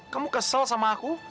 kamu kesel sama aku